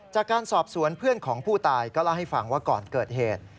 จากการสอบสวนเพื่อนของผู้ตายก็เล่าให้ฟังว่าก่อนเกิดเหตุ